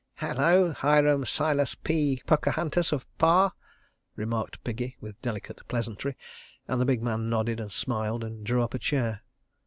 "Hello! Hiram Silas P. Pocahantas of Pah," remarked Piggy, with delicate pleasantry, and the big man nodded, smiled, and drew up a chair.